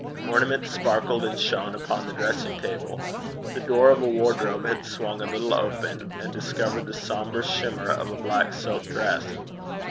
Ornaments sparkled and shone upon the dressing table. The door of a wardrobe had swung a little open, and discovered the sombre shimmer of a black silk dress.